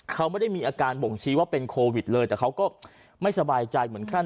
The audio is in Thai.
เขาไม่ได้มีอาการบ่งชี้ว่าเป็นโควิดเลยแต่เขาก็ไม่สบายใจเหมือนขั้น